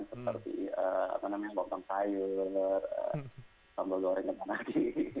seperti bontong sayur sambal goreng sama nadi